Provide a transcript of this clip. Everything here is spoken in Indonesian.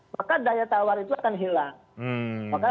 maka daya tawar itu akan hilang